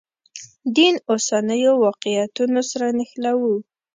دین اوسنیو واقعیتونو سره نښلوو.